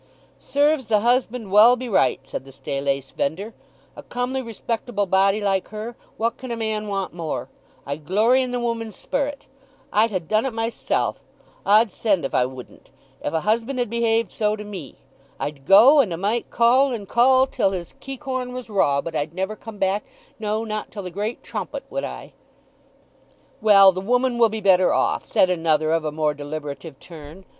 "Serves the husband well be right," said the staylace vendor. "A comely respectable body like her—what can a man want more? I glory in the woman's sperrit. I'd ha' done it myself—od send if I wouldn't, if a husband had behaved so to me! I'd go, and 'a might call, and call, till his keacorn was raw; but I'd never come back—no, not till the great trumpet, would I!" "Well, the woman will be better off," said another of a more deliberative turn.